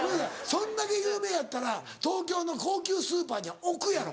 そんだけ有名やったら東京の高級スーパーには置くやろ。